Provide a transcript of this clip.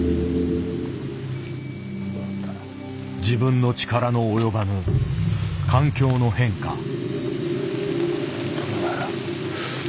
自分の力の及ばぬ環境の変化。